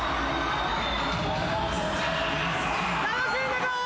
・楽しんでいこう！